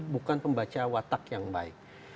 bukan pembaca watak yang baik